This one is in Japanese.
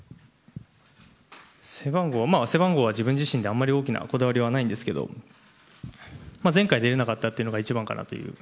背番号は自分自身であまり大きなこだわりはないんですけど前回出れなかったというのが一番かなという。